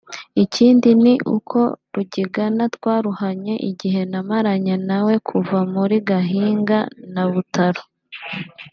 ikindi ni uko Rugigana twaruhanye igihe namaranye nawe kuva muri Gahinga na Butaro